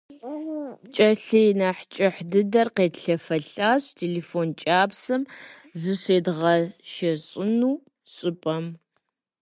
ПкӀэлъей нэхъ кӀыхь дыдэр къетлъэфэлӀащ телефон кӀапсэм зыщедгъэшэщӀыну щӀыпӀэм.